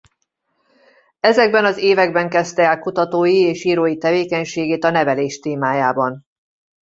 Ezekben az években kezdte el kutatói és írói tevékenységét a nevelés témájában.